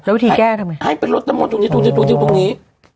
แล้ววิธีแก้ทำไงให้เป็นรถตะโมนตรงนี้ตรงนี้ตรงนี้